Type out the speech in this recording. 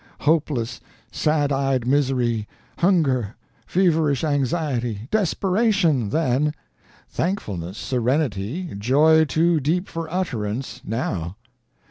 Hopeless, sad eyed misery, hunger, feverish anxiety, desperation, then; thankfulness, serenity, joy too deep for utterance now.